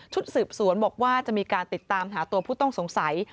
สืบสวนบอกว่าจะมีการติดตามหาตัวผู้ต้องสงสัย